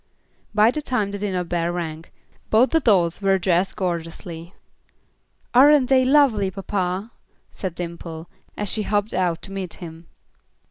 By the time the dinner bell rang, both the dolls were dressed gorgeously. "Aren't they lovely, papa?" said Dimple, as she hobbled out to meet him.